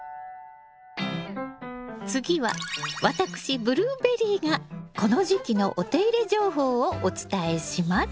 次は私ブルーベリーがこの時期のお手入れ情報をお伝えします。